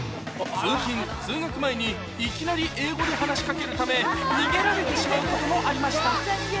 通勤・通学前にいきなり英語で話し掛けるため逃げられてしまうこともありました